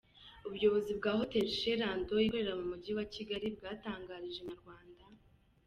Ubuyobozi bwa Hotel Chez Lando ikorera mu mujyi wa Kigali bwatangarije Inyarwanda.